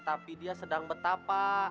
tapi dia sedang betapa